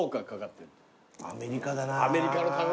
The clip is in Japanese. アメリカだな。